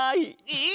え！